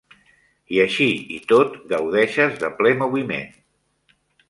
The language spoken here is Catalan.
I així i tot gaudeixes de ple moviment.